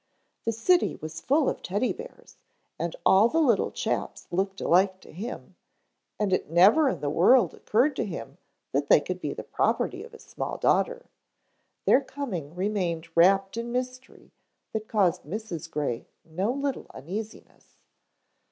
The city was full of Teddy bears, and all the little chaps looked alike to him, and it never in the world occurred to him that they could be the property of his small daughter. Their coming remained wrapped in mystery that caused Mrs. Gray no little uneasiness.